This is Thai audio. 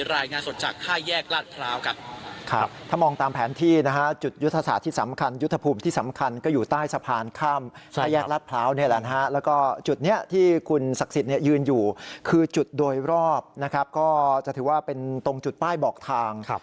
รายงานสดจากห้ายแยกรัดพร้าวครับครับถ้ามองตามแผนที่นะฮะ